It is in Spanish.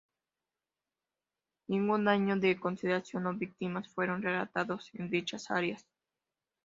Ningún daño de consideración o víctimas fueron relatados en dichas áreas.